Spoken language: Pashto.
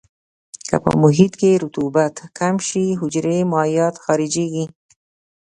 که په محیط کې رطوبت کم شي حجرې مایعات خارجيږي.